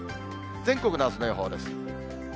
全国のあすの予報です。